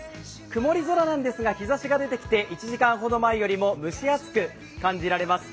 曇り空なんですが日ざしが出てきて１時間前よりも蒸し暑く感じられます。